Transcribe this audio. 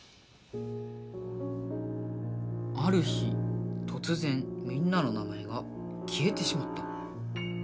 ある日とつぜんみんなの名前がきえてしまった。